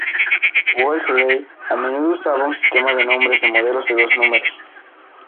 Wolseley a menudo usaba un sistema de nombres de modelos de dos números.